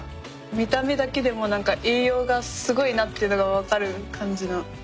見た目だけでも何か栄養がすごいなっていうのが分かる感じの。